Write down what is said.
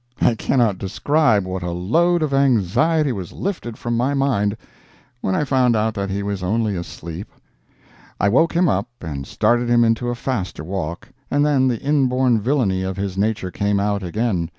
I cannot describe what a load of anxiety was lifted from my mind when I found that he was only asleep. I woke him up and started him into a faster walk, and then the inborn villainy of his nature came out again.